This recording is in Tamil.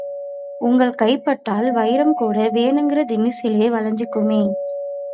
உங்கள் கைப்பட்டால் வைரம் கூட வேணுங்கற தினுசிலே வளைஞ்சிக்குமே!